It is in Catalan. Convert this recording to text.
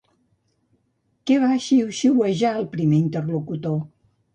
Què va xiuxiuejar el primer interlocutor?